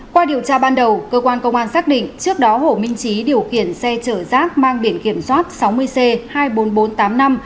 qua điều tra ban đầu cơ quan công an xác định trước đó hồ minh trí điều khiển xe chở rác mang biển kiểm soát sáu mươi c hai mươi bốn nghìn bốn trăm tám mươi năm